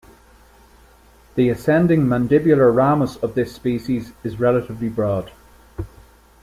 The ascending mandibular ramus of this species is relatively broad.